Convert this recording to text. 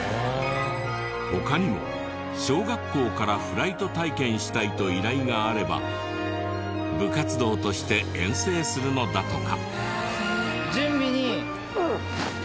他にも小学校からフライト体験したいと依頼があれば部活動として遠征するのだとか。